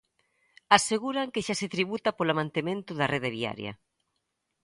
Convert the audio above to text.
Aseguran que xa se tributa polo mantemento da rede viaria.